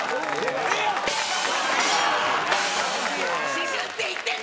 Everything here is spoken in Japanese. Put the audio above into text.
シュシュって言ってる。